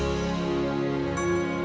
mungkin dalam wang dan emisi